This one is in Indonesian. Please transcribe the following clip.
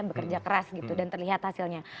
bekerja keras gitu dan terlihat hasilnya